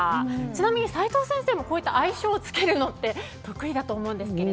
ちなみに齋藤先生もこういった愛称をつけるのって得意だと思うんですが。